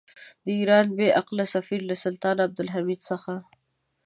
د ایران بې عقل سفیر له سلطان عبدالحمید څخه.